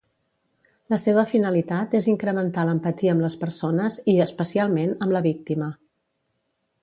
La seva finalitat és incrementar l'empatia amb les persones i, especialment, amb la víctima.